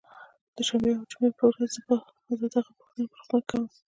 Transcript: دوشنبې او جمعې په ورځ زه د هغه پوښتنه په روغتون کې کوم